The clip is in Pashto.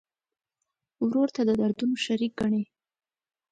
ورور ته د دردونو شریک ګڼې.